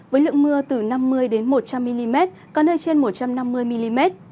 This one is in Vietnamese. với lượng mưa từ năm mươi một trăm linh mm có nơi trên một trăm năm mươi mm